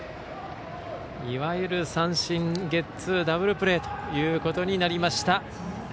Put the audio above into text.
いわゆる三振ゲッツーダブルプレーということになりました。